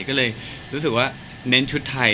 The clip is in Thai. ก็เลยรู้สึกว่าแน่นชุดไทยเฉพาะใหญ่